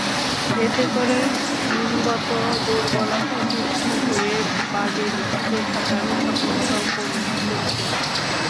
এতে করে জিনগত দুর্বলতা সৃষ্টি হয়ে বাঘের টিকে থাকার সক্ষমতাও কমছে।